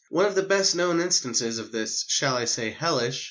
One of the best known instances of this shall I say, hellish?